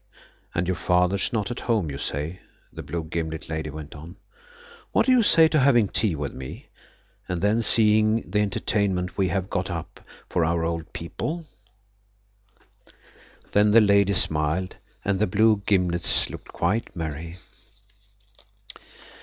"And your Father's not at home, you say," the blue gimlet lady went on. "What do you say to having tea with me, and then seeing the entertainment we have got up for our old people?" Then the lady smiled and the blue gimlets looked quite merry.